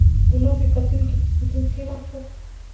• د لوبې کتونکي په سټېډیوم کښېناستل.